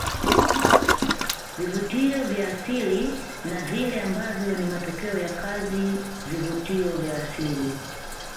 Vivutio vya asili na vile ambavyo ni matokeo ya kazi vivutio vya asili